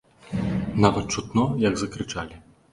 Нават чутно, як закрычалі.